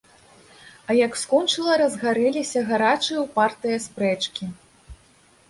А як скончыла, разгарэліся гарачыя, упартыя спрэчкі.